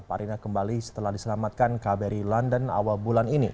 parinah kembali setelah diselamatkan kbri london awal bulan ini